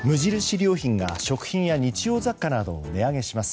良品が食品や日常雑貨などを値上げします。